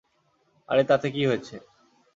আরে তাতে কি হয়েছে।